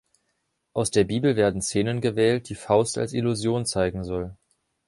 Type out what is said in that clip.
Aus der Bibel werden Szenen gewählt, die Faust als Illusion zeigen soll.